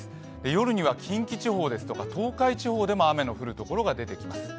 夜には近畿地方ですとか東海地方でも雨の降る所が出てきます。